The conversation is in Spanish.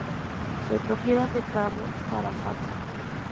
Fue propiedad de Pablo Sarasate.